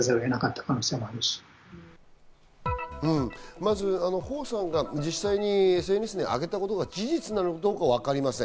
まずホウさんが実際にＳＮＳにあげたことが事実なのかわかりません。